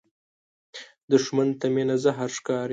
دښمن ته مینه زهر ښکاري